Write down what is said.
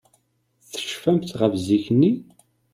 Tecfamt ɣef zik-nni?